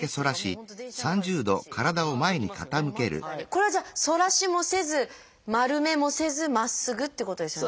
これはじゃあ反らしもせず丸めもせずまっすぐっていうことですよね。